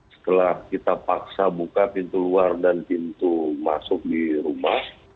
setelah kita paksa buka pintu luar dan pintu masuk di rumah